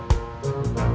ktp kamu masih muda